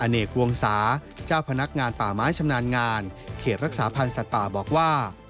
เนกวงศาเจ้าพนักงานป่าไม้ชำนาญงานเขตรักษาพันธ์สัตว์ป่าบอกว่า